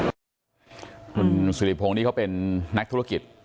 คุณสิริพงศ์นี่เขาเป็นนักธุรกิจ